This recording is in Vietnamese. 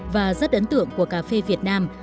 và rất ấn tượng của cà phê việt nam